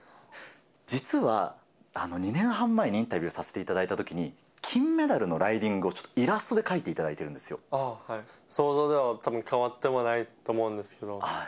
実は２年半前にインタビューさせていただいたときに、金メダルのライディングをちょっとイラストで描いていただいてる想像ではたぶん、変わってもないと思うんですけど。